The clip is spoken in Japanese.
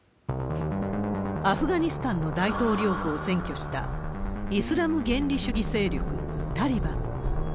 アフガニスタンの大統領府を占拠したイスラム原理主義勢力、タリバン。